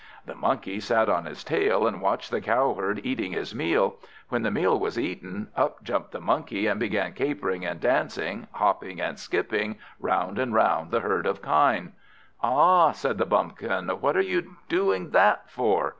The Monkey sat on his tail, and watched the Cowherd eating his meal. When the meal was eaten, up jumped the Monkey, and began capering and dancing, hopping and skipping, round and round the herd of kine. "Ah," said the Bumpkin, "what are you a doing that for?"